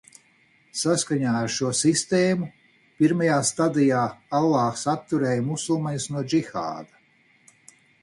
Saskaņā ar šo sistēmu, pirmajā stadijā Allāhs atturēja musulmaņus no džihāda.